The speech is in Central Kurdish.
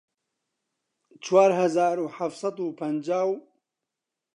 چوار هەزار و حەفت سەد و پەنجاو